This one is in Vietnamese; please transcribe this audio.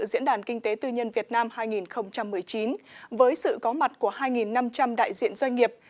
diễn đàn kinh tế tư nhân việt nam hai nghìn một mươi chín với sự có mặt của hai năm trăm linh đại diện doanh nghiệp